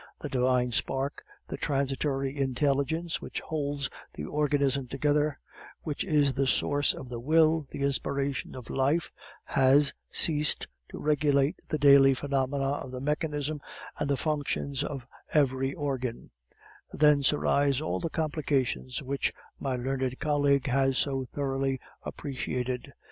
The divine spark, the transitory intelligence which holds the organism together, which is the source of the will, the inspiration of life, has ceased to regulate the daily phenomena of the mechanism and the functions of every organ; thence arise all the complications which my learned colleague has so thoroughly appreciated.